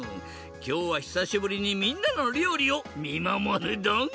きょうはひさしぶりにみんなのりょうりをみまもるドン！